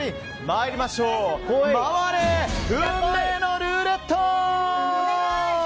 参りましょう回れ、運命のルーレット！